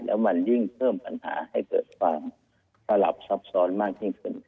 แล้วมันยิ่งเพิ่มปัญหาให้เกิดความสลับซับซ้อนมากยิ่งขึ้น